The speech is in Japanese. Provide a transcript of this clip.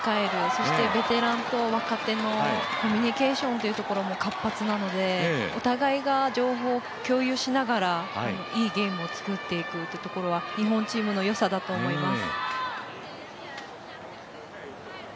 そしてベテランと若手のコミュニケーションというところも活発なのでお互いが情報を共有しながらいいゲームを作っていくというところは日本チームの良さだと思います。